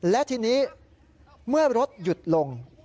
และทีนี้เมื่อรถหยุดลง